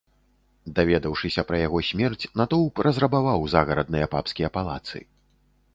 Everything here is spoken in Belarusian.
Даведаўшыся пра яго смерць, натоўп разрабаваў загарадныя папскія палацы.